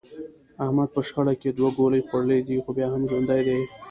احمد په شخړه کې دوه ګولۍ خوړلې دي، خو بیا هم ژوندی دی.